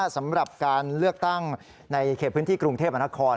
สำหรับการเลือกตั้งในเขตพื้นที่กรุงเทพมนาคม